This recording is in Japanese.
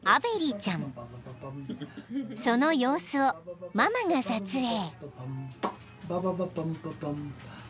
［その様子をママが撮影］